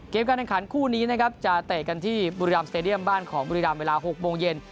การแข่งขันคู่นี้นะครับจะเตะกันที่บุรีรัมสเตดียมบ้านของบุรีรำเวลา๖โมงเย็น